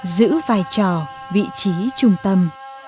giữ vai trò vị trí trung tâm